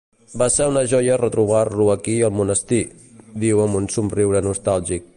Va ser una joia retrobar-lo aquí al monestir —diu amb un somriure nostàlgic—.